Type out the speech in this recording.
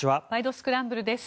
スクランブル」です。